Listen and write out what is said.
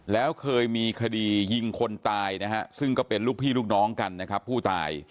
แล้วเคยมีคดียิงคนตายนะฮะซึ่งก็เป็นลูกพี่ลูกน้องกันนะครับผู้ตาย